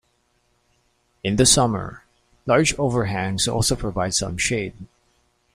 In the summer, large overhangs also provide some shade.